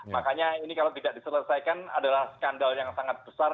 makanya ini kalau tidak diselesaikan adalah skandal yang sangat besar